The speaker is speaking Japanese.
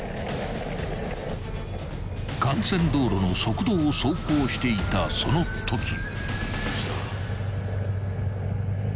［幹線道路の側道を走行していたそのとき］